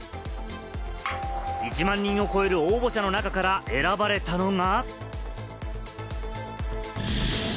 １万人を超える応募者の中から選ばれたのが。